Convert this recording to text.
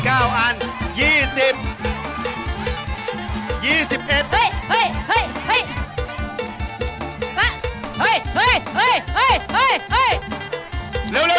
อันนี้ก็กลุ่ม